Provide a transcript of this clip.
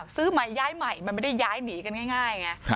ซื้อใหม่ย้ายใหม่มันไม่ได้ย้ายหนีกันง่ายไง